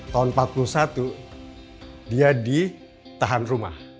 tahun seribu sembilan ratus empat puluh satu dia ditahan rumah